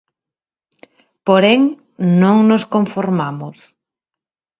Porén, non nos conformamos.